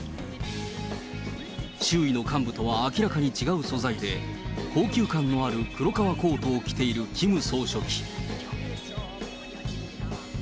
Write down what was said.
周囲の幹部とは明らかに違う素材で、高級感のある黒革コートを着ているキム総書記。